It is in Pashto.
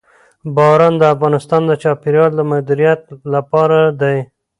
باران د افغانستان د چاپیریال د مدیریت لپاره دی.